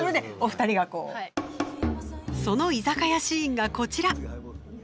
その居酒屋シーンがこちら。